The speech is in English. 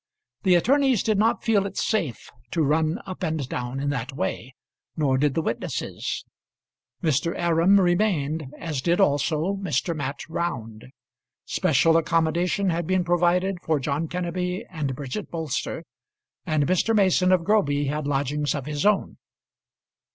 The attorneys did not feel it safe to run up and down in that way, nor did the witnesses. Mr. Aram remained, as did also Mr. Mat Round. Special accommodation had been provided for John Kenneby and Bridget Bolster, and Mr. Mason of Groby had lodgings of his own.